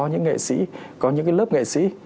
những nghệ sĩ có những lớp nghệ sĩ